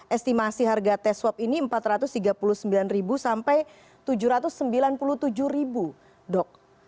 estimasi harga tes swab ini rp empat ratus tiga puluh sembilan sampai rp tujuh ratus sembilan puluh tujuh dok